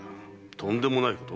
とんでもないこと？